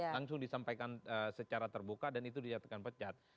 langsung disampaikan secara terbuka dan itu dinyatakan pecat